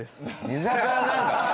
居酒屋なんだ。